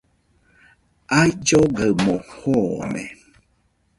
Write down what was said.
Aullogaɨmo joone.